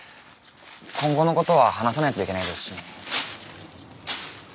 今後のことは話さないといけないですしね。